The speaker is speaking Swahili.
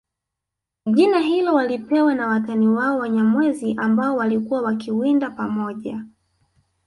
Jina hilo walipewa na watani wao Wanyamwezi ambao walikuwa wakiwinda pamoja